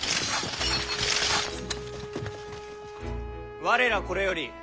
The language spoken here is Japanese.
我らこれより本領